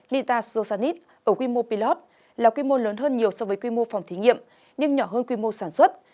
nita socanis ở quy mô pilot là quy mô lớn hơn nhiều so với quy mô phòng thí nghiệm nhưng nhỏ hơn quy mô sản xuất